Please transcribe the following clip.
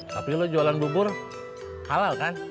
tapi lo jualan bubur halal kan